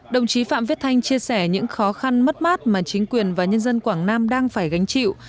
đồng chí phạm viết thanh chia sẻ những khó khăn mất mát mà chính quyền và nhân dân quảng nam đang phải gánh chịu